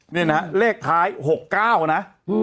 นี่นะฮะเลขท้าย๖๙นะ